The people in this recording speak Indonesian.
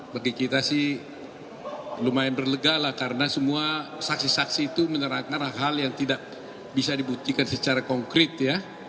bagi kita sih lumayan berlega lah karena semua saksi saksi itu menerapkan hal hal yang tidak bisa dibuktikan secara konkret ya